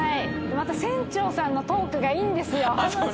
また船長さんのトークがいいんですよ。